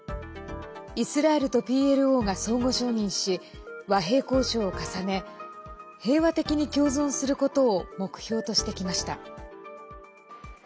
イスラエルとＰＬＯが相互承認し和平交渉を重ね平和的に共存することを目標としてきました。